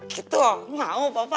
gitu loh mau papa